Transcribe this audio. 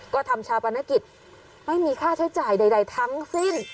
ก็ทำชาปนกิจไม่มีค่าใช้จ่ายใดทั้งสิ้น